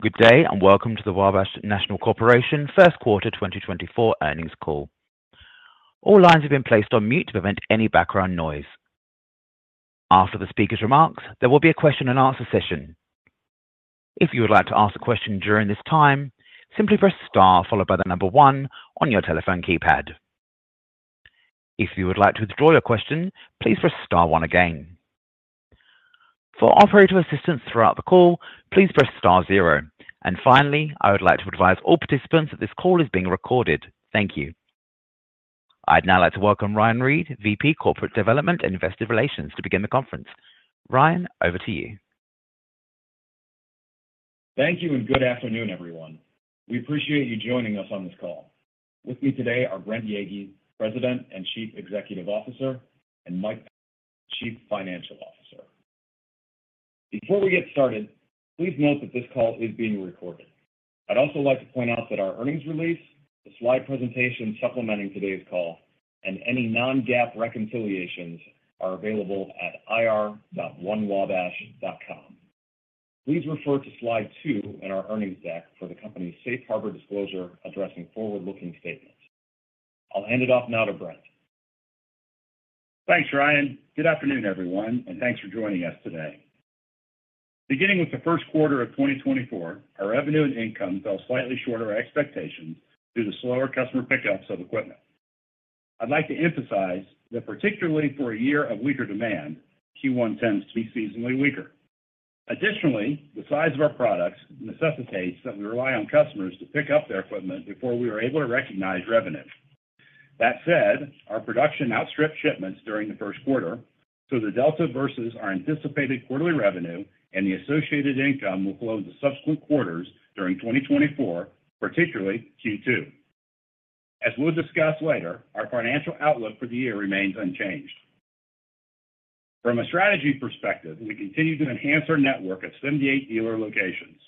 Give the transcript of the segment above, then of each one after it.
Good day and welcome to the Wabash National Corporation first quarter 2024 earnings call. All lines have been placed on mute to prevent any background noise. After the speaker's remarks, there will be a question-and-answer session. If you would like to ask a question during this time, simply press star followed by the number one on your telephone keypad. If you would like to withdraw your question, please press star one again. For operator assistance throughout the call, please press star zero. Finally, I would like to advise all participants that this call is being recorded. Thank you. I'd now like to welcome Ryan Reed, VP Corporate Development and Investor Relations, to begin the conference. Ryan, over to you. Thank you and good afternoon, everyone. We appreciate you joining us on this call. With me today are Brent Yeagy, President and Chief Executive Officer, and Mike Pettit, Chief Financial Officer. Before we get started, please note that this call is being recorded. I'd also like to point out that our earnings release, the slide presentation supplementing today's call, and any non-GAAP reconciliations are available at ir.onewabash.com. Please refer to slide two in our earnings deck for the company's safe harbor disclosure addressing forward-looking statements. I'll hand it off now to Brent. Thanks, Ryan. Good afternoon, everyone, and thanks for joining us today. Beginning with the first quarter of 2024, our revenue and income fell slightly short of our expectations due to slower customer pickups of equipment. I'd like to emphasize that particularly for a year of weaker demand, Q1 tends to be seasonally weaker. Additionally, the size of our products necessitates that we rely on customers to pick up their equipment before we are able to recognize revenue. That said, our production outstripped shipments during the first quarter, so the delta versus our anticipated quarterly revenue and the associated income will flow into subsequent quarters during 2024, particularly Q2. As we'll discuss later, our financial outlook for the year remains unchanged. From a strategy perspective, we continue to enhance our network at 78 dealer locations.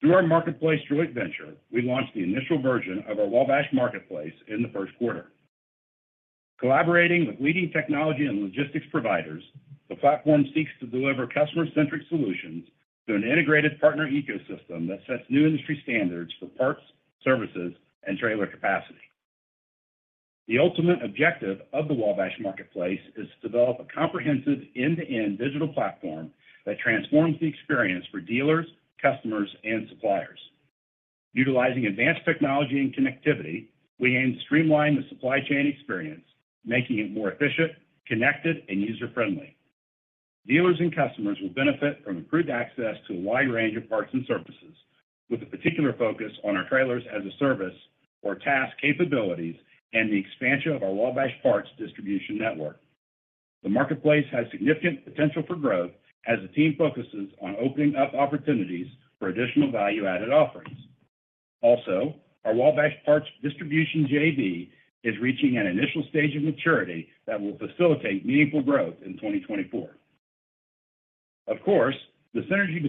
Through our Marketplace joint venture, we launched the initial version of our Wabash Marketplace in the first quarter. Collaborating with leading technology and logistics providers, the platform seeks to deliver customer-centric solutions through an integrated partner ecosystem that sets new industry standards for parts, services, and trailer capacity. The ultimate objective of the Wabash Marketplace is to develop a comprehensive end-to-end digital platform that transforms the experience for dealers, customers, and suppliers. Utilizing advanced technology and connectivity, we aim to streamline the supply chain experience, making it more efficient, connected, and user-friendly. Dealers and customers will benefit from improved access to a wide range of Parts and Services, with a particular focus on our Trailers as a Service (TaaS) capabilities and the expansion of our Wabash Parts distribution network. The Marketplace has significant potential for growth as the team focuses on opening up opportunities for additional value-added offerings. Also, our Wabash Parts distribution JV is reaching an initial stage of maturity that will facilitate meaningful growth in 2024. Of course, the synergy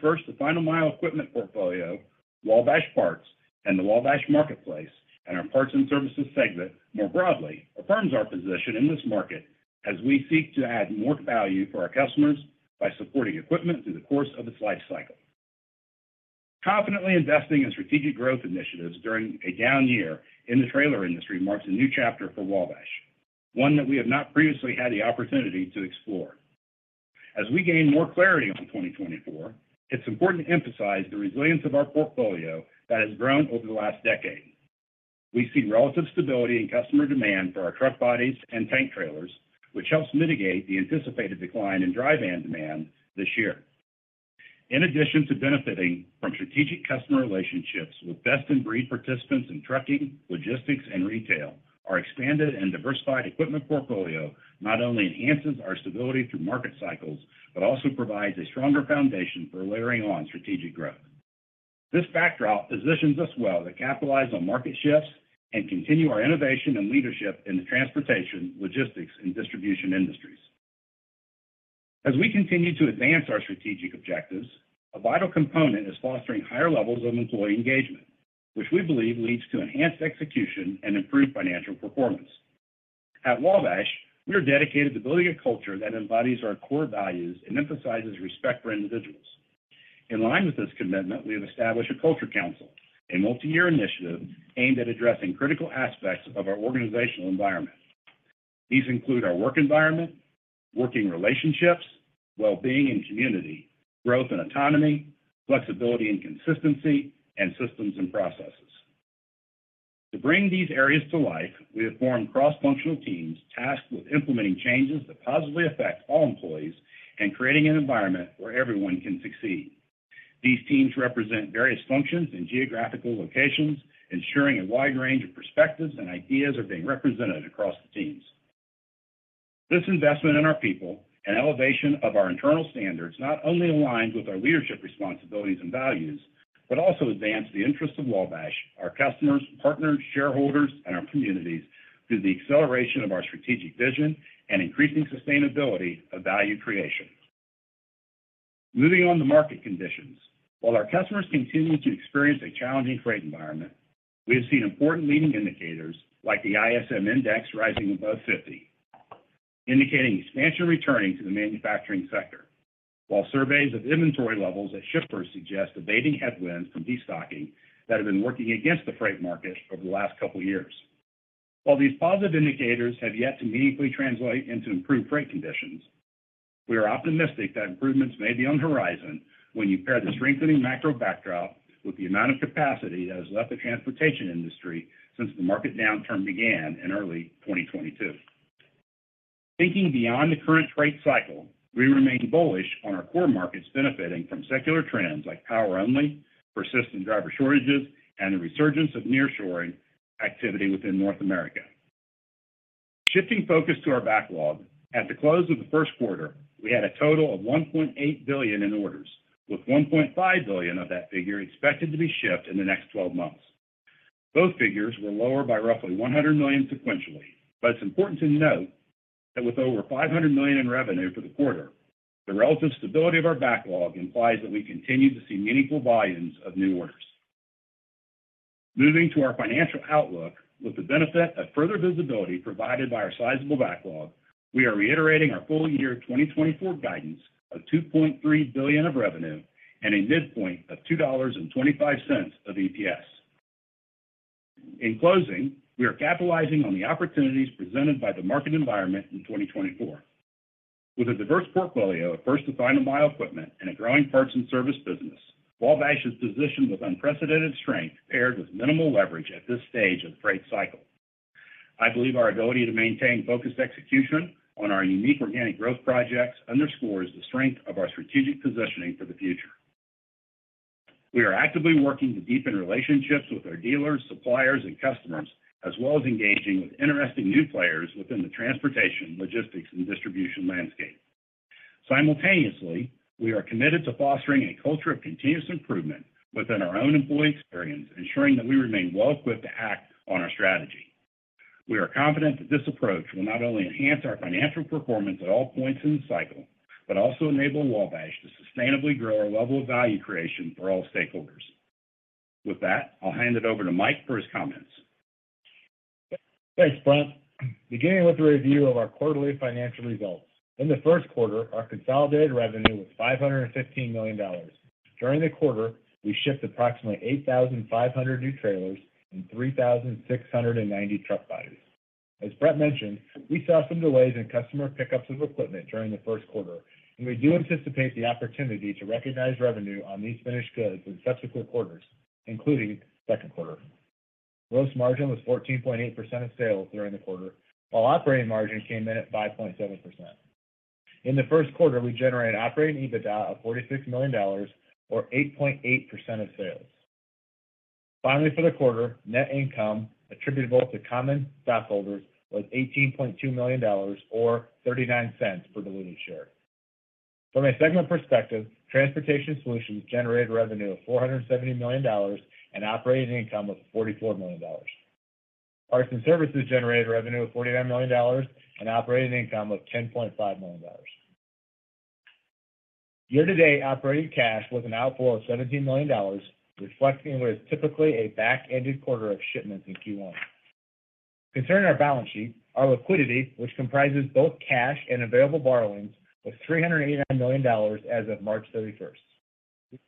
First to Final Mile equipment portfolio, Wabash Parts, and the Wabash Marketplace and our Parts and Services segment more broadly affirms our position in this market as we seek to add more value for our customers by supporting equipment through the course of its lifecycle. Confidently investing in strategic growth initiatives during a down year in the trailer industry marks a new chapter for Wabash, one that we have not previously had the opportunity to explore. As we gain more clarity on 2024, it's important to emphasize the resilience of our portfolio that has grown over the last decade. We see relative stability in customer demand for our truck bodies and Tank Trailers, which helps mitigate the anticipated decline in dry van demand this year. In addition to benefiting from strategic customer relationships with best-in-breed participants in trucking, logistics, and retail, our expanded and diversified equipment portfolio not only enhances our stability through market cycles but also provides a stronger foundation for layering on strategic growth. This backdrop positions us well to capitalize on market shifts and continue our innovation and leadership in the transportation, logistics, and distribution industries. As we continue to advance our strategic objectives, a vital component is fostering higher levels of employee engagement, which we believe leads to enhanced execution and improved financial performance. At Wabash, we are dedicated to building a culture that embodies our core values and emphasizes respect for individuals. In line with this commitment, we have established a Culture Council, a multi-year initiative aimed at addressing critical aspects of our organizational environment. These include our work environment, working relationships, well-being and community, growth and autonomy, flexibility and consistency, and systems and processes. To bring these areas to life, we have formed cross-functional teams tasked with implementing changes that positively affect all employees and creating an environment where everyone can succeed. These teams represent various functions and geographical locations, ensuring a wide range of perspectives and ideas are being represented across the teams. This investment in our people and elevation of our internal standards not only aligns with our leadership responsibilities and values but also advances the interests of Wabash, our customers, partners, shareholders, and our communities through the acceleration of our strategic vision and increasing sustainability of value creation. Moving on to market conditions, while our customers continue to experience a challenging freight environment, we have seen important leading indicators like the ISM Index rising above 50, indicating expansion returning to the manufacturing sector, while surveys of inventory levels at shippers suggest abating headwinds from destocking that have been working against the freight market over the last couple of years. While these positive indicators have yet to meaningfully translate into improved freight conditions, we are optimistic that improvements may be on the horizon when you pair the strengthening macro backdrop with the amount of capacity that has left the transportation industry since the market downturn began in early 2022. Thinking beyond the current freight cycle, we remain bullish on our core markets benefiting from secular trends like power-only, persistent driver shortages, and the resurgence of nearshoring activity within North America. Shifting focus to our backlog, at the close of the first quarter, we had a total of $1.8 billion in orders, with $1.5 billion of that figure expected to be shipped in the next 12 months. Both figures were lower by roughly $100 million sequentially, but it's important to note that with over $500 million in revenue for the quarter, the relative stability of our backlog implies that we continue to see meaningful volumes of new orders. Moving to our financial outlook, with the benefit of further visibility provided by our sizable backlog, we are reiterating our full year 2024 guidance of $2.3 billion of revenue and a midpoint of $2.25 of EPS. In closing, we are capitalizing on the opportunities presented by the market environment in 2024. With a First to Final Mile equipment and Parts and Services business, Wabash is positioned with unprecedented strength paired with minimal leverage at this stage of the freight cycle. I believe our ability to maintain focused execution on our unique organic growth projects underscores the strength of our strategic positioning for the future. We are actively working to deepen relationships with our dealers, suppliers, and customers, as well as engaging with interesting new players within the transportation, logistics, and distribution landscape. Simultaneously, we are committed to fostering a culture of continuous improvement within our own employee experience, ensuring that we remain well-equipped to act on our strategy. We are confident that this approach will not only enhance our financial performance at all points in the cycle but also enable Wabash to sustainably grow our level of value creation for all stakeholders. With that, I'll hand it over to Mike for his comments. Thanks, Brent. Beginning with a review of our quarterly financial results. In the first quarter, our consolidated revenue was $515 million. During the quarter, we shipped approximately 8,500 new trailers and 3,690 truck bodies. As Brent mentioned, we saw some delays in customer pickups of equipment during the first quarter, and we do anticipate the opportunity to recognize revenue on these finished goods in subsequent quarters, including second quarter. Gross margin was 14.8% of sales during the quarter, while operating margin came in at 5.7%. In the first quarter, we generated operating EBITDA of $46 million or 8.8% of sales. Finally, for the quarter, net income attributable to common stockholders was $18.2 million or $0.39 per diluted share. From a segment perspective, transportation solutions generated revenue of $470 million and operating income of $44 million. Parts and Services generated revenue of $49 million and operating income of $10.5 million. Year-to-date, operating cash was an outflow of $17 million, reflecting what is typically a back-ended quarter of shipments in Q1. Concerning our balance sheet, our liquidity, which comprises both cash and available borrowings, was $389 million as of March 31st.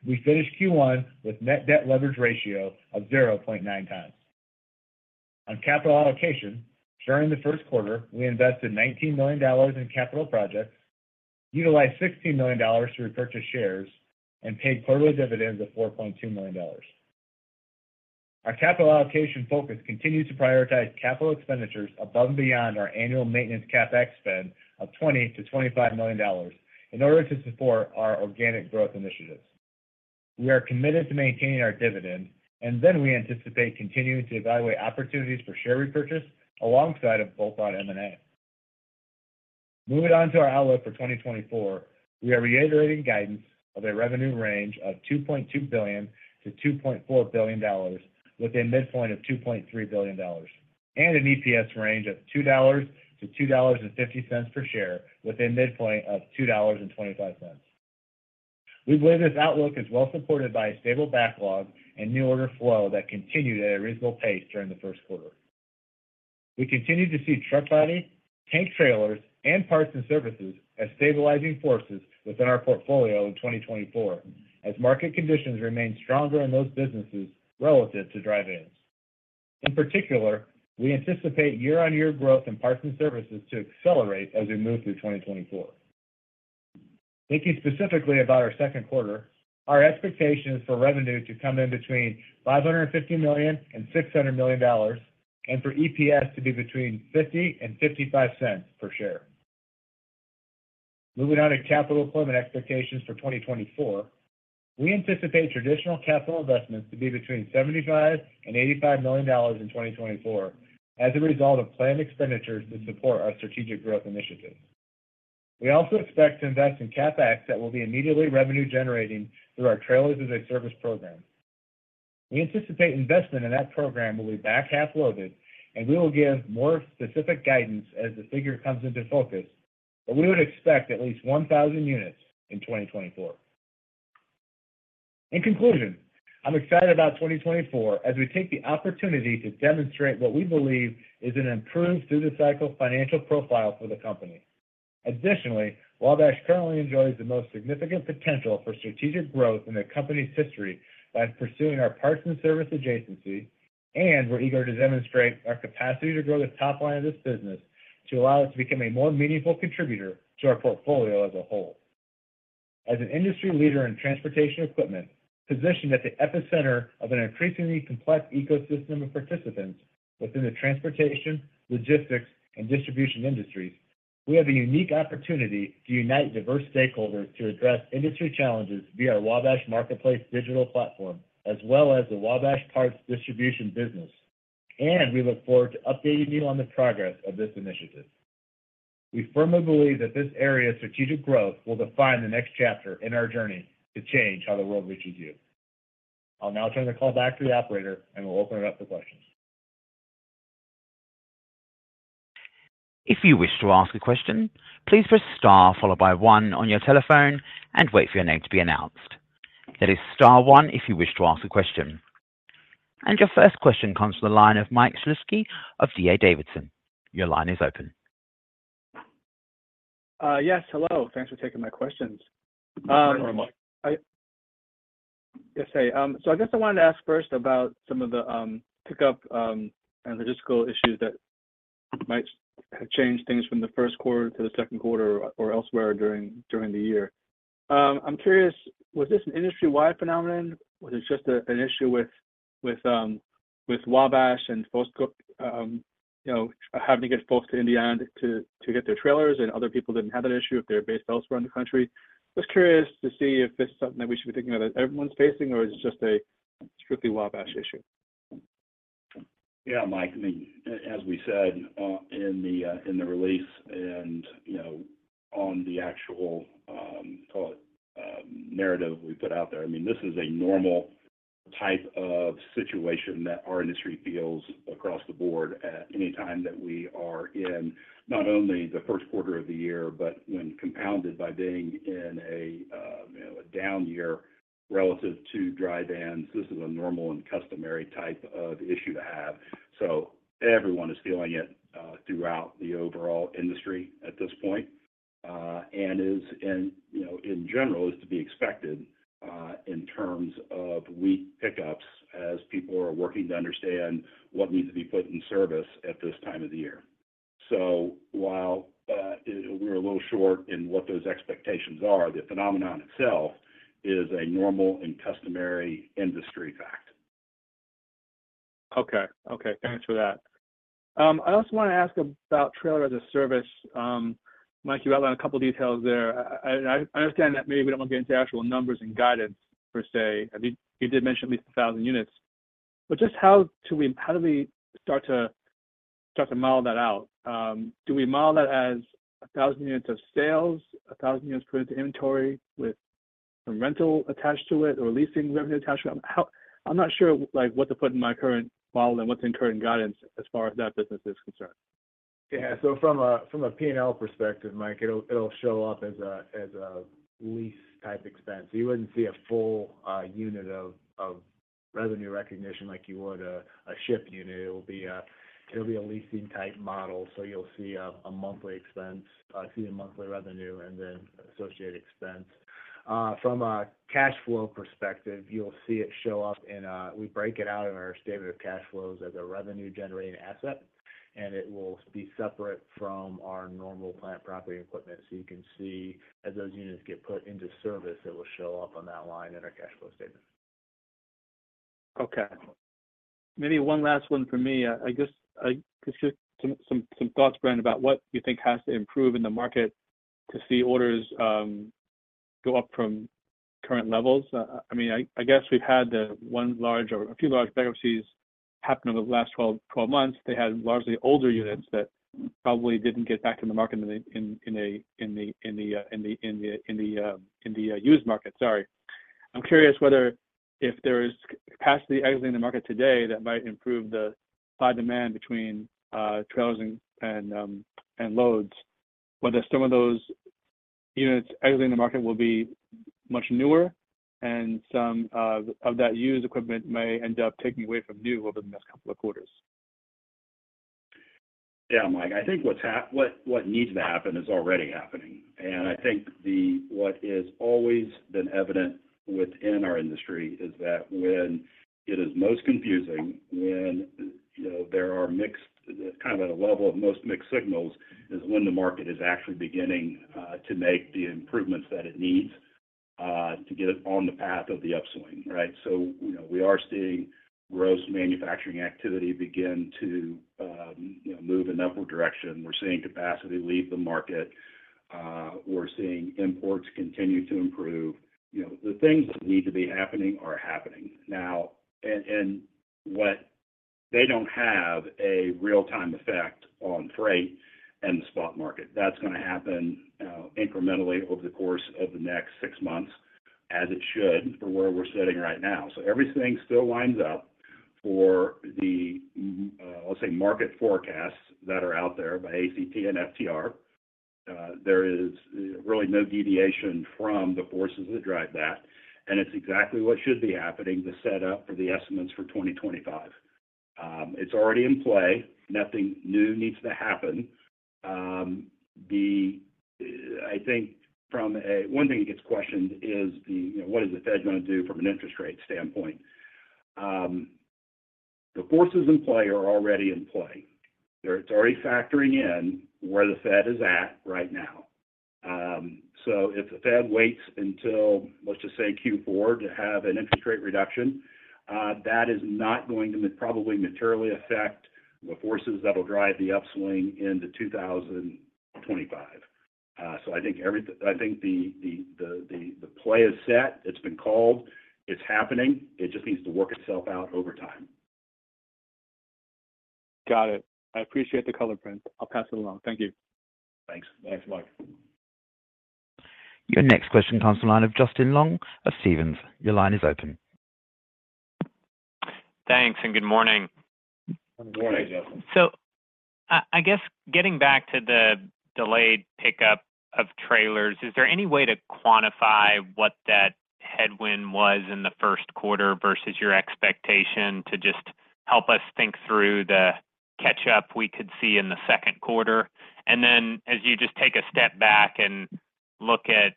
We finished Q1 with net debt leverage ratio of 0.9 times. On capital allocation, during the first quarter, we invested $19 million in capital projects, utilized $16 million to repurchase shares, and paid quarterly dividends of $4.2 million. Our capital allocation focus continues to prioritize capital expenditures above and beyond our annual maintenance CapEx spend of $20-$25 million in order to support our organic growth initiatives. We are committed to maintaining our dividends, and then we anticipate continuing to evaluate opportunities for share repurchase alongside of bolt-on M&A. Moving on to our outlook for 2024, we are reiterating guidance of a revenue range of $2.2-$2.4 billion, with a midpoint of $2.3 billion and an EPS range of $2-$2.50 per share, with a midpoint of $2.25. We believe this outlook is well-supported by a stable backlog and new order flow that continue at a reasonable pace during the first quarter. We continue to see Truck Body, Tank Trailers, and Parts and Services as stabilizing forces within our portfolio in 2024 as market conditions remain stronger in those businesses relative to dry vans. In particular, we anticipate year-on-year growth in Parts and Services to accelerate as we move through 2024. Thinking specifically about our second quarter, our expectation is for revenue to come in between $550 million and $600 million and for EPS to be between $0.50 and $0.55 per share. Moving on to capital deployment expectations for 2024, we anticipate traditional capital investments to be between $75 million-$85 million in 2024 as a result of planned expenditures to support our strategic growth initiatives. We also expect to invest in CapEx that will be immediately revenue-generating through our Trailers as a Service program. We anticipate investment in that program will be back half-loaded, and we will give more specific guidance as the figure comes into focus, but we would expect at least 1,000 units in 2024. In conclusion, I'm excited about 2024 as we take the opportunity to demonstrate what we believe is an improved through-the-cycle financial profile for the company. Additionally, Wabash currently enjoys the most significant potential for strategic growth in the company's history by pursuing our parts-and-service adjacency, and we're eager to demonstrate our capacity to grow the top line of this business to allow it to become a more meaningful contributor to our portfolio as a whole. As an industry leader in transportation equipment, positioned at the epicenter of an increasingly complex ecosystem of participants within the transportation, logistics, and distribution industries, we have a unique opportunity to unite diverse stakeholders to address industry challenges via our Wabash Marketplace digital platform as well as the Wabash Parts distribution business, and we look forward to updating you on the progress of this initiative. We firmly believe that this area of strategic growth will define the next chapter in our journey to change how the world reaches you. I'll now turn the call back to the operator, and we'll open it up for questions. If you wish to ask a question, please press star followed by one on your telephone and wait for your name to be announced. That is star one if you wish to ask a question. And your first question comes from the line of Mike Shlisky of D.A. Davidson. Your line is open. Yes. Hello. Thanks for taking my questions. Yes, hey. So I guess I wanted to ask first about some of the pickup and logistical issues that might have changed things from the first quarter to the second quarter or elsewhere during the year. I'm curious, was this an industry-wide phenomenon? Was it just an issue with Wabash and folks having to get folks to Indiana to get their trailers, and other people didn't have that issue if they were based elsewhere in the country? Just curious to see if this is something that we should be thinking about that everyone's facing, or is it just a strictly Wabash issue? Yeah, Mike. I mean, as we said in the release and on the actual narrative we put out there, I mean, this is a normal type of situation that our industry feels across the board at any time that we are in not only the first quarter of the year but when compounded by being in a down year relative to dry vans, this is a normal and customary type of issue to have. So everyone is feeling it throughout the overall industry at this point and, in general, is to be expected in terms of weak pickups as people are working to understand what needs to be put in service at this time of the year. So while we're a little short in what those expectations are, the phenomenon itself is a normal and customary industry fact. Okay. Okay. Thanks for that. I also want to ask about Trailers as a Service. Mike, you outlined a couple of details there. I understand that maybe we don't want to get into actual numbers and guidance per se. You did mention at least 1,000 units. But just how do we start to model that out? Do we model that as 1,000 units of sales, 1,000 units put into inventory with some rental attached to it or leasing revenue attached to it? I'm not sure what to put in my current model and what's in current guidance as far as that business is concerned. Yeah. So from a P&L perspective, Mike, it'll show up as a lease-type expense. You wouldn't see a full unit of revenue recognition like you would a ship unit. It'll be a leasing-type model, so you'll see a monthly expense, see the monthly revenue, and then associated expense. From a cash flow perspective, you'll see it show up in we break it out in our statement of cash flows as a revenue-generating asset, and it will be separate from our normal plant property equipment. So you can see as those units get put into service, it will show up on that line in our cash flow statement. Okay. Maybe one last one from me. I guess just some thoughts, Brent, about what you think has to improve in the market to see orders go up from current levels. I mean, I guess we've had one large or a few large bankruptcies happen over the last 12 months. They had largely older units that probably didn't get back to the market in the used market. Sorry. I'm curious whether if there is capacity exiting the market today that might improve the high demand between trailers and loads, whether some of those units exiting the market will be much newer and some of that used equipment may end up taking away from new over the next couple of quarters. Yeah, Mike. I think what needs to happen is already happening. And I think what has always been evident within our industry is that when it is most confusing, when there are mixed kind of at a level of most mixed signals is when the market is actually beginning to make the improvements that it needs to get it on the path of the upswing, right? So we are seeing gross manufacturing activity begin to move in upward direction. We're seeing capacity leave the market. We're seeing imports continue to improve. The things that need to be happening are happening. Now, and what they don't have a real-time effect on freight and the spot market. That's going to happen incrementally over the course of the next six months as it should for where we're sitting right now. So everything still lines up for the, let's say, market forecasts that are out there by ACT and FTR. There is really no deviation from the forces that drive that, and it's exactly what should be happening, the setup for the estimates for 2025. It's already in play. Nothing new needs to happen. I think one thing that gets questioned is what is the Fed going to do from an interest rate standpoint? The forces in play are already in play. It's already factoring in where the Fed is at right now. So if the Fed waits until, let's just say, Q4 to have an interest rate reduction, that is not going to probably materially affect the forces that'll drive the upswing into 2025. So I think the play is set. It's been called. It's happening. It just needs to work itself out over time. Got it. I appreciate the color prints. I'll pass it along. Thank you. Thanks. Thanks, Mike. Your next question comes from the line of Justin Long of Stephens. Your line is open. Thanks and good morning. Good morning, Justin. I guess getting back to the delayed pickup of trailers, is there any way to quantify what that headwind was in the first quarter versus your expectation to just help us think through the catch-up we could see in the second quarter? And then as you just take a step back and look at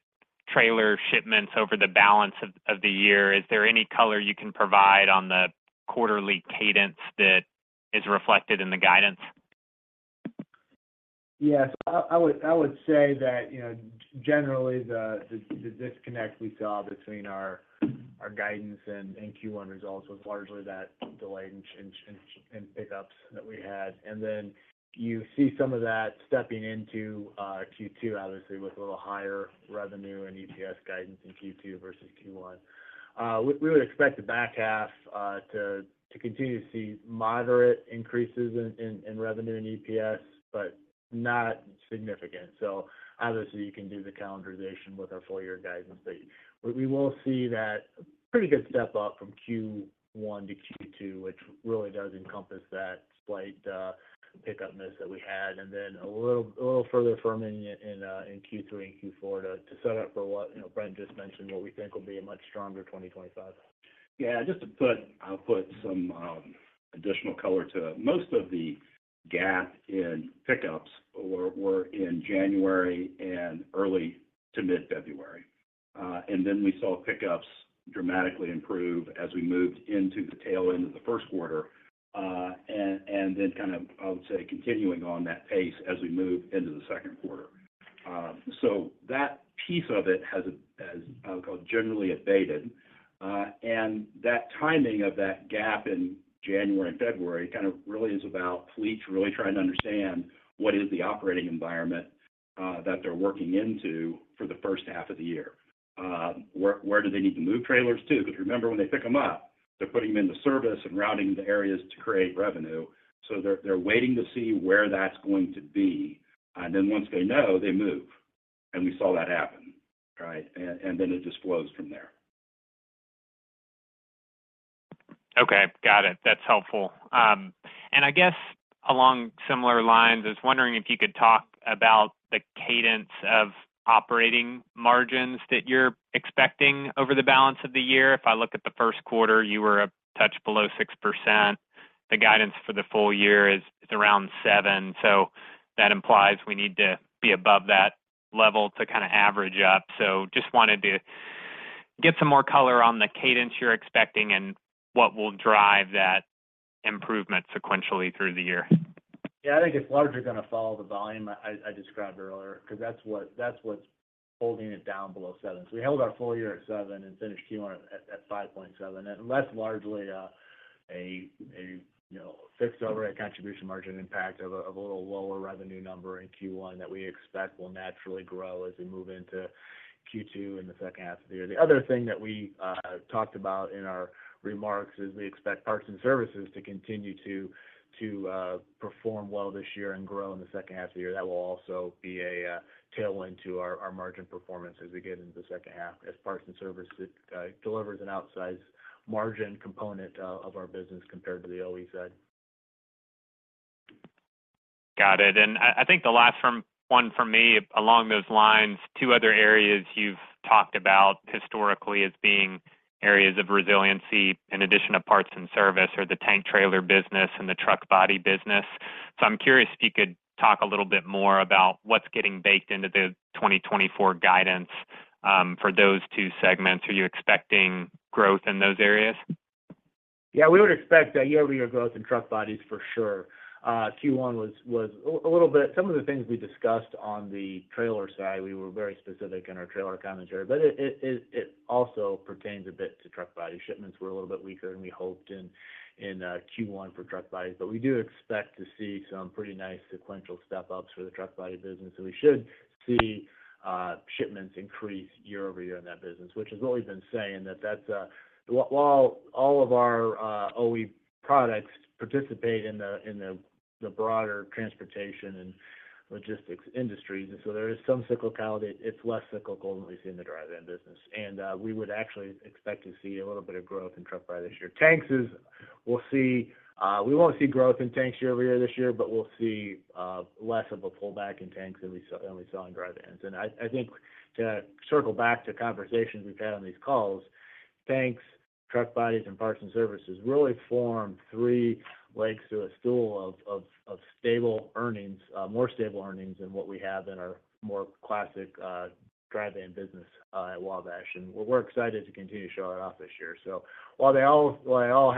trailer shipments over the balance of the year, is there any color you can provide on the quarterly cadence that is reflected in the guidance? Yes. I would say that generally, the disconnect we saw between our guidance and Q1 results was largely that delay in pickups that we had. And then you see some of that stepping into Q2, obviously, with a little higher revenue and EPS guidance in Q2 versus Q1. We would expect the back half to continue to see moderate increases in revenue and EPS but not significant. So obviously, you can do the calendarization with our full-year guidance, but we will see that pretty good step up from Q1 to Q2, which really does encompass that slight pickup miss that we had. And then a little further firming in Q3 and Q4 to set up for what Brent just mentioned, what we think will be a much stronger 2025. Yeah. I'll put some additional color to it. Most of the gap in pickups were in January and early to mid-February. And then we saw pickups dramatically improve as we moved into the tail end of the first quarter and then kind of, I would say, continuing on that pace as we move into the second quarter. So that piece of it has generally abated. And that timing of that gap in January and February kind of really is about fleets really trying to understand what is the operating environment that they're working into for the first half of the year. Where do they need to move trailers to? Because remember, when they pick them up, they're putting them into service and routing the areas to create revenue. So they're waiting to see where that's going to be. And then once they know, they move. We saw that happen, right? Then it just flows from there. Okay. Got it. That's helpful. And I guess along similar lines, I was wondering if you could talk about the cadence of operating margins that you're expecting over the balance of the year. If I look at the first quarter, you were a touch below 6%. The guidance for the full year is around 7%. So that implies we need to be above that level to kind of average up. So just wanted to get some more color on the cadence you're expecting and what will drive that improvement sequentially through the year. Yeah. I think it's largely going to follow the volume I described earlier because that's what's holding it down below 7%. So we held our full year at 7% and finished Q1 at 5.7%. And that's largely a fixed overhead contribution margin impact of a little lower revenue number in Q1 that we expect will naturally grow as we move into Q2 in the second half of the year. The other thing that we talked about in our remarks is we expect Parts and Services to continue to perform well this year and grow in the second half of the year. That will also be a tailwind to our margin performance as we get into the second half as Parts and Services delivers an outsized margin component of our business compared to the OE side. Got it. I think the last one from me along those lines, two other areas you've talked about historically as being areas of resiliency in addition to Parts and Service are the Tank Trailer business and the Truck Body business. I'm curious if you could talk a little bit more about what's getting baked into the 2024 guidance for those two segments. Are you expecting growth in those areas? Yeah. We would expect year-over-year growth in truck bodies for sure. Q1 was a little bit some of the things we discussed on the trailer side. We were very specific in our trailer commentary, but it also pertains a bit to truck bodies. Shipments were a little bit weaker than we hoped in Q1 for truck bodies. But we do expect to see some pretty nice sequential step-ups for the Truck Body business. So we should see shipments increase year over year in that business, which is what we've been saying, that that's while all of our OE products participate in the broader transportation and logistics industries, and so there is some cyclicality. It's less cyclical than what we see in the dry van business. And we would actually expect to see a little bit of growth in truck bodies here. Tanks, we'll see we won't see growth in tanks year over year this year, but we'll see less of a pullback in tanks than we saw in dry vans. And I think to circle back to conversations we've had on these calls, tanks, truck bodies, and Parts and Services really form three legs to a stool of stable earnings, more stable earnings than what we have in our more classic dry van business at Wabash. And we're excited to continue to show that off this year. So while they all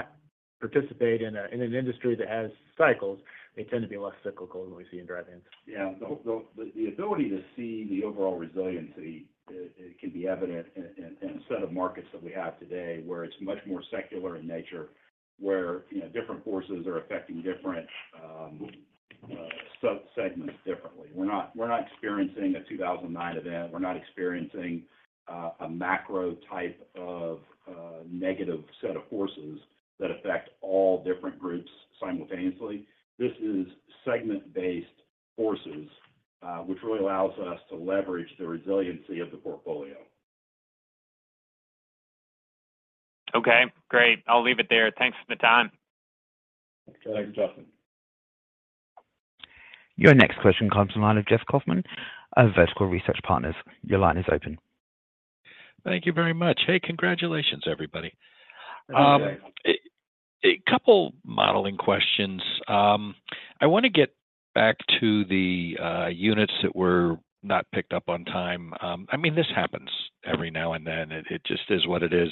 participate in an industry that has cycles, they tend to be less cyclical than we see in dry vans. Yeah. The ability to see the overall resiliency, it can be evident in a set of markets that we have today where it's much more secular in nature, where different forces are affecting different segments differently. We're not experiencing a 2009 event. We're not experiencing a macro type of negative set of forces that affect all different groups simultaneously. This is segment-based forces, which really allows us to leverage the resiliency of the portfolio. Okay. Great. I'll leave it there. Thanks for the time. Thanks, Justin. Your next question comes from the line of Jeff Kauffman of Vertical Research Partners. Your line is open. Thank you very much. Hey, congratulations, everybody. A couple modeling questions. I want to get back to the units that were not picked up on time. I mean, this happens every now and then. It just is what it is.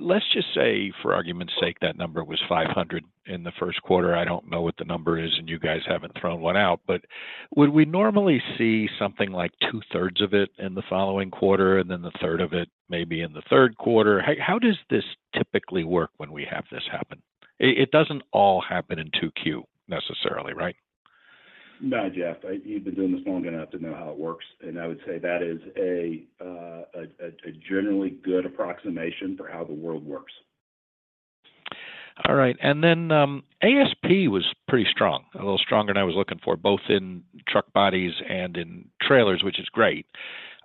Let's just say, for argument's sake, that number was 500 in the first quarter. I don't know what the number is, and you guys haven't thrown one out. But would we normally see something like two-thirds of it in the following quarter and then the third of it maybe in the third quarter? How does this typically work when we have this happen? It doesn't all happen in two-Q necessarily, right? No, Jeff. You've been doing this long enough to know how it works. And I would say that is a generally good approximation for how the world works. All right. And then ASP was pretty strong, a little stronger than I was looking for, both in truck bodies and in trailers, which is great.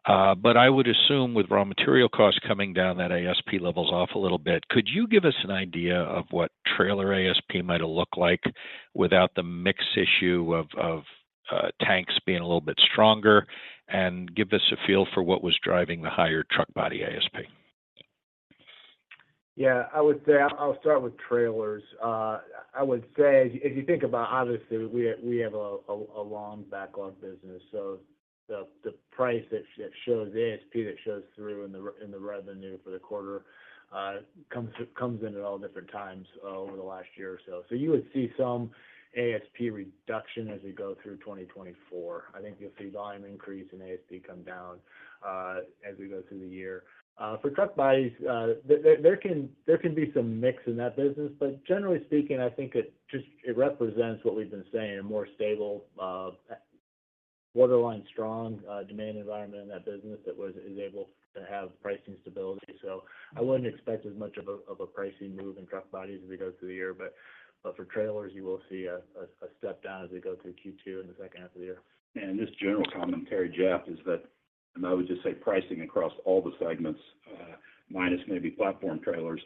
But I would assume with raw material costs coming down, that ASP level's off a little bit. Could you give us an idea of what trailer ASP might have looked like without the mix issue of tanks being a little bit stronger and give us a feel for what was driving the higher Truck Body ASP? Yeah. I'll start with trailers. I would say, as you think about obviously, we have a long backlog business. So the price that shows ASP that shows through in the revenue for the quarter comes in at all different times over the last year or so. So you would see some ASP reduction as we go through 2024. I think you'll see volume increase and ASP come down as we go through the year. For truck bodies, there can be some mix in that business. But generally speaking, I think it represents what we've been saying, a more stable, borderline strong demand environment in that business that is able to have pricing stability. So I wouldn't expect as much of a pricing move in truck bodies as we go through the year. But for trailers, you will see a step down as we go through Q2 in the second half of the year. Just general commentary, Jeff, is that and I would just say pricing across all the segments minus maybe platform trailers,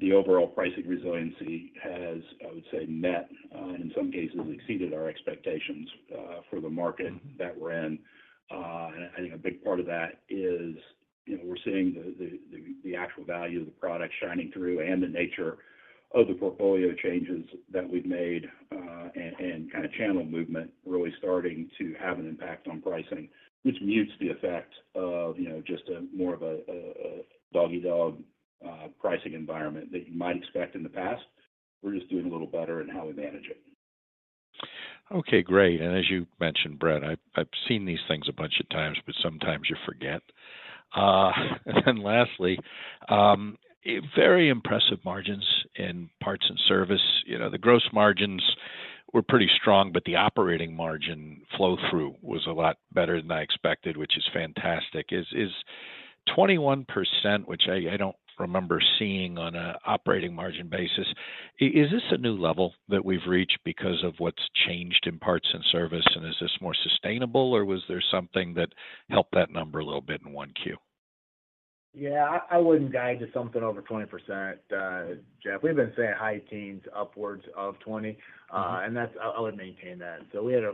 the overall pricing resiliency has, I would say, met and in some cases, exceeded our expectations for the market that we're in. I think a big part of that is we're seeing the actual value of the product shining through and the nature of the portfolio changes that we've made and kind of channel movement really starting to have an impact on pricing, which mutes the effect of just more of a dog-eat-dog pricing environment that you might expect in the past. We're just doing a little better in how we manage it. Okay. Great. And as you mentioned, Brent, I've seen these things a bunch of times, but sometimes you forget. And then lastly, very impressive margins in parts and service. The gross margins were pretty strong, but the operating margin flow-through was a lot better than I expected, which is fantastic. Is 21%, which I don't remember seeing on an operating margin basis, a new level that we've reached because of what's changed in parts and service? And is this more sustainable, or was there something that helped that number a little bit in 1Q? Yeah. I wouldn't guide to something over 20%, Jeff. We've been saying high teens, upwards of 20%. I would maintain that. We had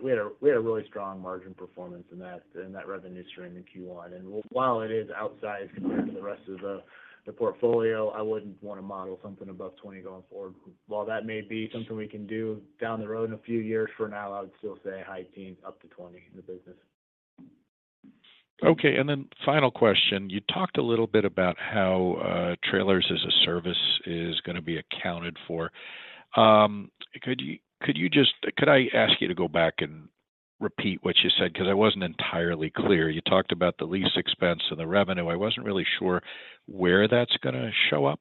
a really strong margin performance in that revenue stream in Q1. While it is outsized compared to the rest of the portfolio, I wouldn't want to model something above 20% going forward. While that may be something we can do down the road in a few years, for now, I would still say high teens, up to 20% in the business. Okay. And then final question. You talked a little bit about how Trailers as a Service is going to be accounted for. Could you just could I ask you to go back and repeat what you said because I wasn't entirely clear? You talked about the lease expense and the revenue. I wasn't really sure where that's going to show up.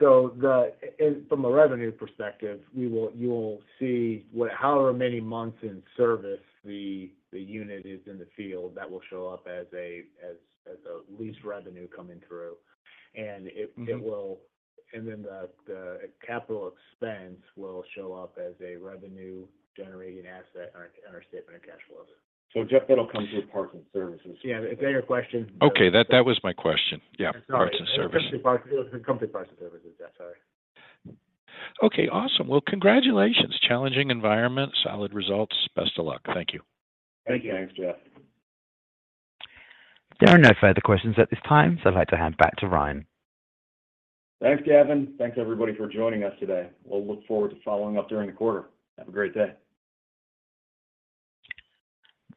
So from a revenue perspective, you will see however many months in service the unit is in the field, that will show up as a lease revenue coming through. And then the capital expense will show up as a revenue-generating asset under statement of cash flows. Jeff, that'll come through Parts and Services. Yeah. Is that your question? Okay. That was my question. Yeah. Parts and Services. It's company Parts and Services, Jeff. Sorry. Okay. Awesome. Well, congratulations. Challenging environment, solid results. Best of luck. Thank you. Thank you. Thanks, Jeff. There are no further questions at this time, so I'd like to hand back to Ryan. Thanks, Gavin. Thanks, everybody, for joining us today. We'll look forward to following up during the quarter. Have a great day.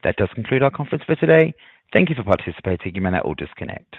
That does conclude our conference for today. Thank you for participating. You may now disconnect.